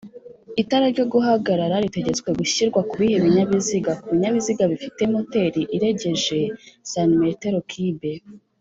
itara ryoguhagarara ritegetswe gushyirwa kubihe binyabiziga? kubinyabiziga bifite moteri iregeje cm kibe